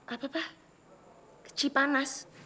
apa pa kecipanas